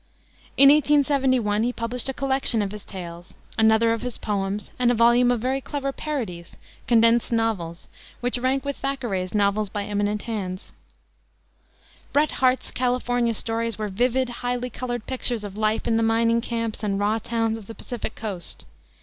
In 1871 he published a collection of his tales, another of his poems, and a volume of very clever parodies, Condensed Novels, which rank with Thackeray's Novels by Eminent Hands. Bret Harte's California stories were vivid, highly colored pictures of life in the mining camps and raw towns of the Pacific coast.